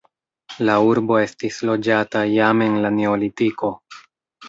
La urbo estis loĝata jam en la neolitiko.